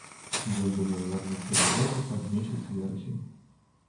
Ён думаў вярнуцца дадому пад месяц верасень.